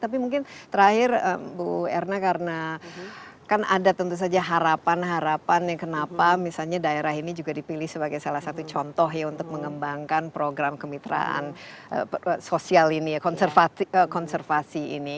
tapi mungkin terakhir bu erna karena kan ada tentu saja harapan harapan kenapa misalnya daerah ini juga dipilih sebagai salah satu contoh ya untuk mengembangkan program kemitraan sosial ini ya konservasi ini